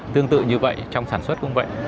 tương tự như vậy trong sản xuất cũng vậy